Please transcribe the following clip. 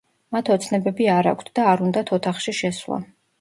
მათ ოცნებები არ აქვთ და არ უნდათ ოთახში შესვლა.